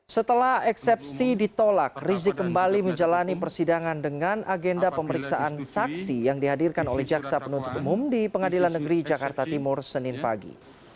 setelah eksepsi ditolak rizik kembali menjalani persidangan dengan agenda pemeriksaan saksi yang dihadirkan oleh jaksa penuntut umum di pengadilan negeri jakarta timur senin pagi